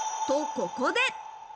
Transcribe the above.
と、ここで。